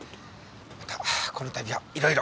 またこのたびはいろいろ。